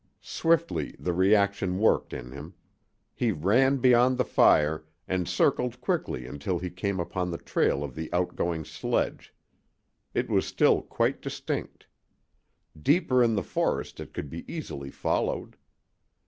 Swiftly the reaction worked in him. He ran beyond the fire, and circled quickly until he came upon the trail of the outgoing sledge. It was still quite distinct. Deeper in the forest it could be easily followed.